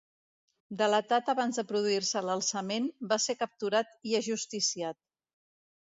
Delatat abans de produir-se l'alçament, va ser capturat i ajusticiat.